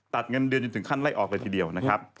เงินเดือนจนถึงขั้นไล่ออกเลยทีเดียวนะครับ